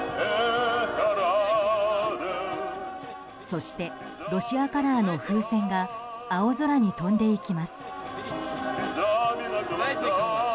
そして、ロシアカラーの風船が青空に飛んでいきます。